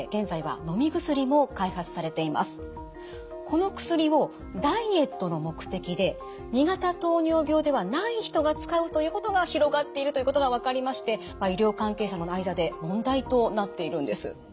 この薬をダイエットの目的で２型糖尿病ではない人が使うということが広がっているということが分かりまして医療関係者の間で問題となっているんです。